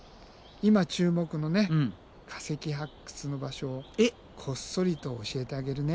今注目のね化石発掘の場所をこっそりと教えてあげるね。